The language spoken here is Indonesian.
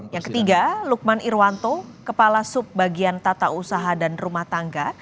yang ketiga lukman irwanto kepala subbagian tata usaha dan rumah tangga